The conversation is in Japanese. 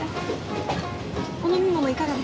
あっお飲み物いかがですか？